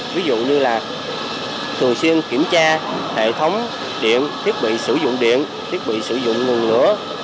ví dụ như là thường xuyên kiểm tra hệ thống điện thiết bị sử dụng điện thiết bị sử dụng nguồn lửa